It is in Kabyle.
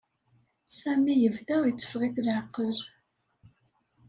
Sami yebda iteffeɣ-it leɛqel.